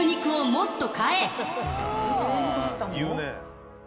言うねえ。